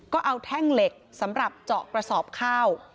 ก็เอาแท่งเหล็กสำหรับเจาะกระสอบข้าว